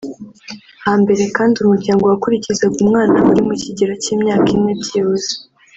Hambere kandi umuryango wakurikizaga umwana uri mu kigero cy’imyaka ine byibuze